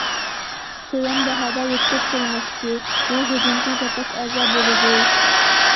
تۆۋەن باھادا يۆتكەپ كەلمەكچى، بۇ ھۇجۇمچى زاپاس ئەزا بولىدۇ.